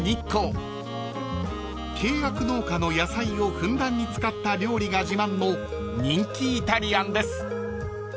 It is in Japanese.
［契約農家の野菜をふんだんに使った料理が自慢の人気イタリアンです］